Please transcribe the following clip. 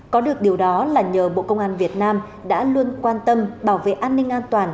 có được điều đó là nhờ bộ công an việt nam đã luôn quan tâm bảo vệ an ninh an toàn